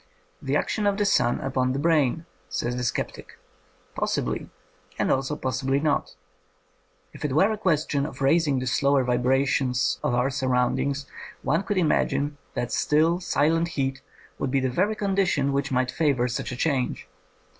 *' The action of the sun upon the brain, '' says the sceptic. Possibly — and also possibly not. If it were a question of raising the slower vibrations of our surroundings one could imagine that still, silent heat would be the very condition which might favour such a change.